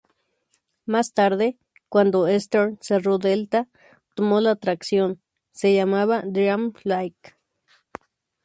Más tarde, cuando Eastern cerró Delta, tomó la atracción, se llamaba Dream Flight.